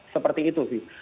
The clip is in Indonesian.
seperti itu sih